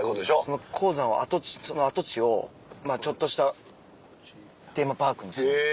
その鉱山をその跡地をまぁちょっとしたテーマパークにしたんです。